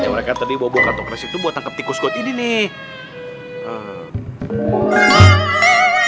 ya mereka tadi bawa bawa kantong keras itu buat tangkap tikus got ini nih